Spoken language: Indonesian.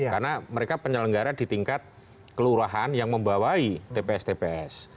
karena mereka penyelenggara di tingkat kelurahan yang membawai tps tps